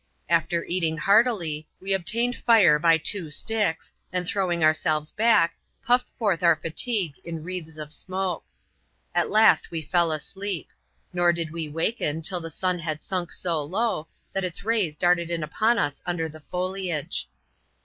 After eat ing heartily, we obtained fire by two sticks, and throwing our selves back, puffed forth our fatigue in wreaths of smoke. At last we fell asleep ; nor did we waken till the sun had sunk so low, that its rays darted in upon ns under the foliage.